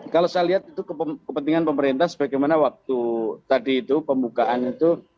kalau saya lihat itu kepentingan pemerintah sebagaimana waktu tadi itu pembukaan itu